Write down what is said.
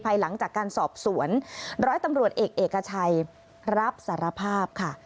หลังจากการสอบสวนร้อยตำรวจเอกเอกชัยรับสารภาพค่ะ